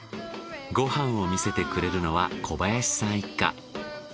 ご飯を見せてくれるのは小林さん一家。